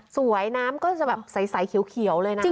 น้ำก็จะแบบใสเขียวเลยนะ